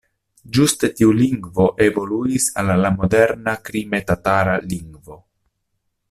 Ĝuste tiu lingvo evoluis al la moderna krime-tatara lingvo.